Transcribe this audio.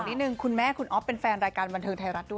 นิดนึงคุณแม่คุณอ๊อฟเป็นแฟนรายการบันเทิงไทยรัฐด้วย